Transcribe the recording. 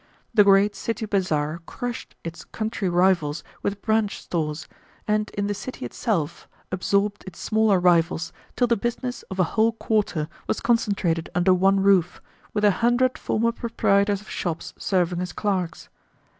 The great city bazar crushed it country rivals with branch stores, and in the city itself absorbed its smaller rivals till the business of a whole quarter was concentrated under one roof, with a hundred former proprietors of shops serving as clerks.